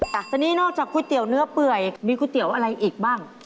ตอนนี้นอกจากก๋วยเตี๋ยวเนื้อเปื่อยมีก๋วยเตี๋ยวอะไรอีกบ้าง